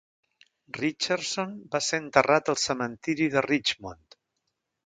Richardson va ser enterrat al cementiri de Richmond.